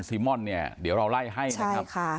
ม่อนเนี่ยเดี๋ยวเราไล่ให้นะครับ